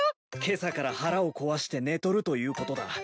けさから腹を壊して寝とるということだ。